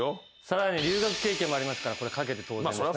さらに留学経験もありますからこれ書けて当然ですね。